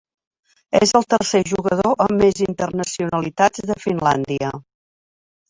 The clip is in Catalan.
És el tercer jugador amb més internacionalitats de Finlàndia.